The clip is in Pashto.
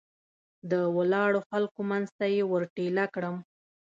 د ولاړو خلکو منځ ته یې ور ټېله کړم.